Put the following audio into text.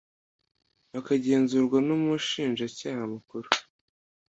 bakagenzurwa n Umushinjacyaha Mukuru